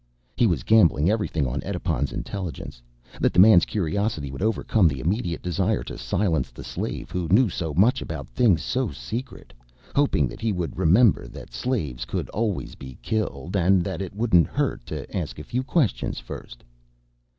He was gambling everything on Edipon's intelligence, that the man's curiosity would overcome the immediate desire to silence the slave who knew so much about things so secret, hoping that he would remember that slaves could always be killed, and that it wouldn't hurt to ask a few questions first.